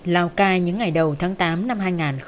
lào cai những ngày đầu tháng tám năm hai nghìn một mươi sáu